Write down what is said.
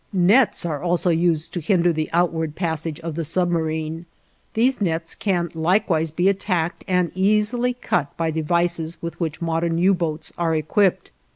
Nets are also used to hinder the outward passage of the submarine. These nets can likewise be attacked and easily cut by devices with which modern U boats are equipped.